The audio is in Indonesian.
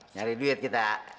nyari duit kita